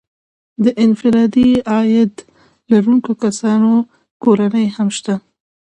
د انفرادي عاید لرونکو کسانو کورنۍ هم شته